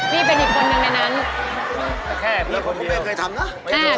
พี่เป็นอีกคนนึงในนั้นแค่เพียงคนเดียวไม่เคยทำนะอ่า